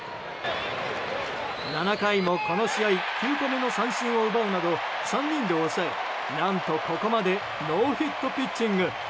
７回も、この試合９個目の三振を奪うなど３人で抑え、何とここまでノーヒットピッチング。